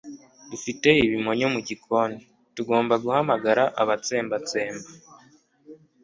dufite ibimonyo mu gikoni. tugomba guhamagara abatsembatsemba